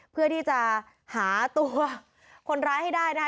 เพื่อที่จะหาตัวคนร้ายให้ได้นะคะ